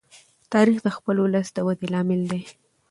تاریخ د خپل ولس د ودې لامل دی.